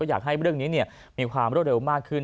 อยากให้เรื่องนี้มีความรวดเร็วมากขึ้น